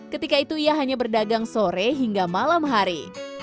ketika itu ia hanya berdagang sore hingga malam hari